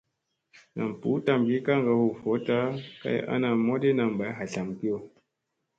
Nam ɓuu tamgii kaŋga huu vooɗta kay ana modiina bay hatlamkiyo.